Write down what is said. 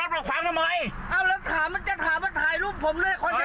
เอาแรกลองมาถ่ายทำไมแล้วมาถ่ายลูกผมเลย